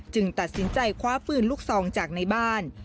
ตัดสินใจคว้าปืนลูกซองจากในบ้าน